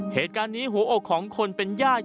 เหตุการณ์นี้หัวอกของคนเป็นญาติ